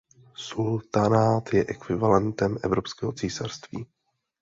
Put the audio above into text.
Sultanát je ekvivalentem evropského císařství.